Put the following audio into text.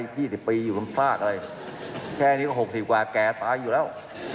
แค่นี้ก็๖๐กว่าแก่ตายอยู่แล้ว